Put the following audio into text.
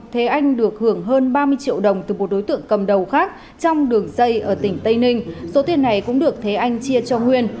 thế anh được hưởng hơn ba mươi triệu đồng từ một đối tượng cầm đầu khác trong đường dây ở tỉnh tây ninh số tiền này cũng được thế anh chia cho nguyên